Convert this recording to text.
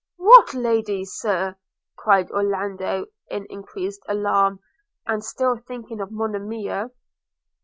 'What lady, Sir?' cried Orlando, in increased alarm, and still thinking of Monimia.